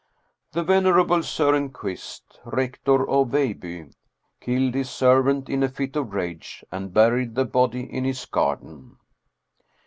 The venerable Soren Quist, Rector of Veilbye, killed his servant in a fit of rage and buried the body in his garden.